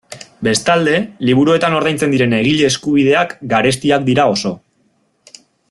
Bestalde, liburuetan ordaintzen diren egile eskubideak garestiak dira oso.